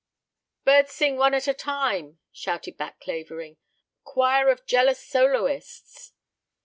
"Birds sing one at a time," shouted back Clavering. "Choir of jealous soloists."